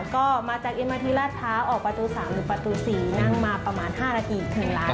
ก็มาจากเอมาทีราชพร้าวออกประตู๓หรือประตู๔นั่งมาประมาณ๕นาที๑ล้าน